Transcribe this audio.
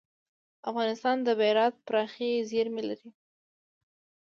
افغانستان د بیرایت پراخې زیرمې لري.